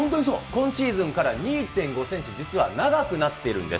今シーズンから２．５センチ実は長くなっているんです。